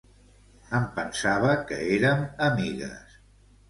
Em pensava que érem amigues.